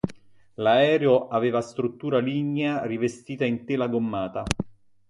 L'aereo aveva struttura lignea rivestita in tela gommata.